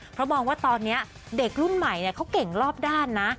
เพราะมองว่าตอนนี้เด็กรุ่นใหม่เขาเก่งรอบด้านนะ